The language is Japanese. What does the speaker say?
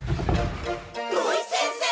土井先生！